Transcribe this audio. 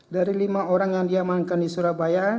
dari lima orang yang diamankan di surabaya